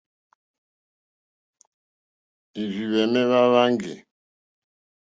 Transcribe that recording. Òrzìhwɛ̀mɛ́́ hwá hwáŋɡè.